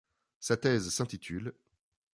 Sa thèse s'intitule '.